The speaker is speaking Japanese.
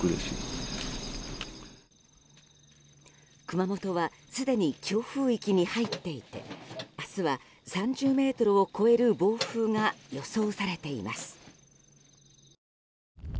熊本はすでに強風域に入っていて明日は３０メートルを超える暴風が予想されています。